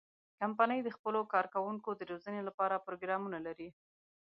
کمپنۍ د خپلو کارکوونکو د روزنې لپاره پروګرامونه لري.